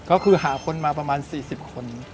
ก็คือหาคนมาประมาณ๔๐คน